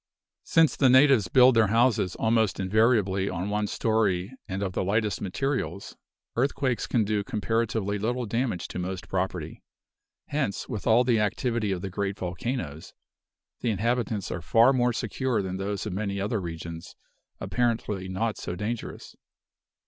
Since the natives build their houses almost invariably of one story and of the lightest materials, earthquakes can do comparatively little damage to most property. Hence, with all the activity of the great volcanoes, the inhabitants are far more secure than those of many other regions apparently not so dangerous.